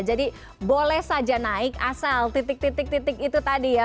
jadi boleh saja naik asal titik titik itu tadi ya